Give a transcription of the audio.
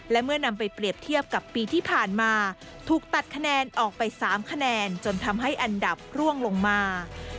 และเมื่อนำไปเปรียบเทียบกับปีที่ผ่านมาถูกตัดคะแนนออกไป๓คะแนนจนทำให้อันดับร่วงลงมา